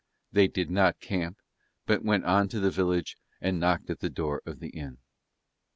They did not camp but went on to the village and knocked at the door of the inn.